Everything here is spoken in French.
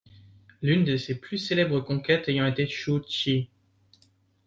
L'une de ses plus célèbres conquêtes ayant été Shu Qi.